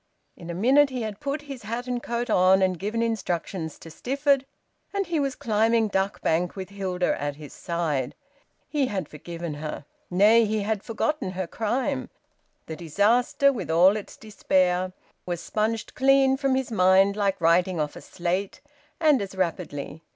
In a minute he had put his hat and coat on and given instructions to Stifford, and he was climbing Duck Bank with Hilda at his side. He had forgiven her. Nay, he had forgotten her crime. The disaster, with all its despair, was sponged clean from his mind like writing off a slate, and as rapidly.